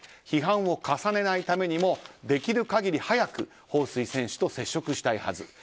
批判を重ねないためにもできる限り早くホウ・スイ選手と接触したいはず。